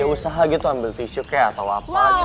ya usah lagi tuh ambil t shirtnya atau apa